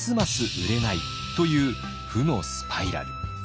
売れないという負のスパイラル。